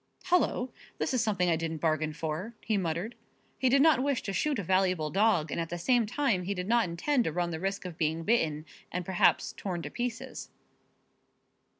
"Hullo! this is something I didn't bargain for," he muttered. He did not wish to shoot a valuable dog and at the same time he did not intend to run the risk of being bitten and perhaps torn to pieces.